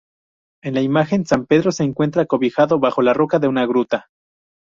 En la imagen, San Pedro se encuentra cobijado bajo la roca de una gruta.